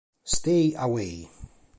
Stay Away!